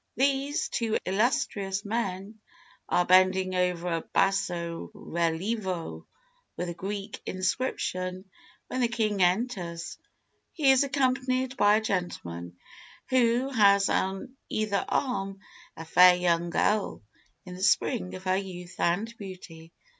"These two illustrious men are bending over a basso relievo with a Greek inscription, when the king enters; he is accompanied by a gentleman, who has on either arm a fair young girl in the spring of her youth and beauty.